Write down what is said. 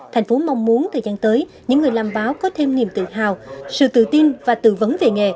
thành phố mong muốn thời gian tới những người làm báo có thêm niềm tự hào sự tự tin và tự vấn về nghề